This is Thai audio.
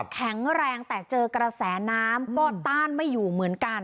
แข็งแรงแต่เจอกระแสน้ำก็ต้านไม่อยู่เหมือนกัน